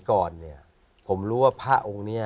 เก็บเงินซื้อพระองค์เนี่ยเก็บเงินซื้อพระองค์เนี่ย